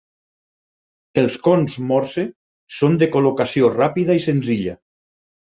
Els cons Morse són de col·locació ràpida i senzilla.